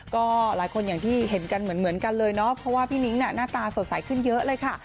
ก็หลายคนอย่างที่เห็นกันเหมือนกันเลยเนาะเพราะว่าพี่นิ้งหน้าตาสดใสขึ้นเยอะเลยค่ะ